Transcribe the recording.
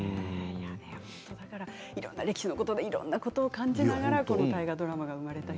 いろんな歴史のこといろんなことを感じながら「大河ドラマが生まれた日」